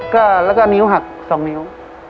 ก็แล้วก็นิ้วหัก๒นิ้ว